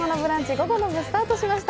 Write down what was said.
午後の部スタートしました。